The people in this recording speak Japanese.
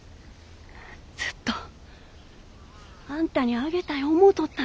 ずっとあんたにあげたい思うとったんよ。